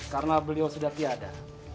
karena beliau sudah tiada